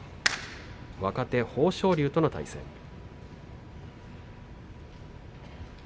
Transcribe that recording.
若手、豊昇龍との対戦です。